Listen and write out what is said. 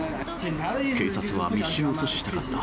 警察は密集を阻止したかった。